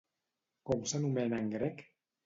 Com s'anomena en grec?